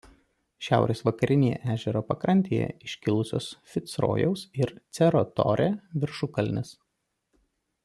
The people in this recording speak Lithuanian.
Šiaurės vakarinėje ežero pakrantėje iškilusios Ficrojaus ir "Cerro Torre" viršukalnės.